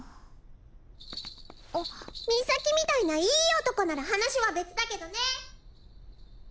あっミサキみたいないい男なら話は別だけどね！